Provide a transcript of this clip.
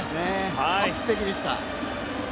完璧でした。